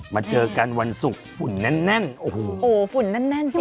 มาเจอกันวันสุขฝุ่นนั้นโอ้โหโอ้ฝุ่นนั้นสิ